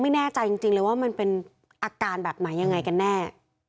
ไม่แน่ใจจริงเลยว่ามันเป็นอาการแบบไหนยังไงกันแน่